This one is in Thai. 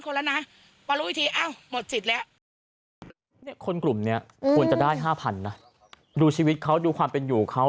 คนกลุ่มนี้ควรจะได้๕๐๐๐คู่นะดูชีวิตเขาความเป็นอยู่เขา